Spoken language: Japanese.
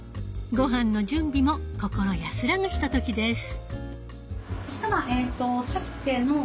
ごはんの準備も心安らぐひとときです。